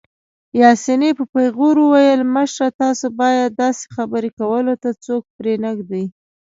پاسیني په پېغور وویل: مشره، تاسو باید داسې خبرې کولو ته څوک پرېنږدئ.